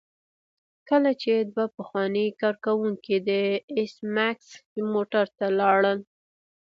کله چې دوه پخواني کارکوونکي د ایس میکس موټر ته لاړل